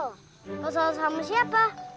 kau kesel sama siapa